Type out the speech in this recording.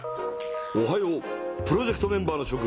おはようプロジェクトメンバーのしょ君。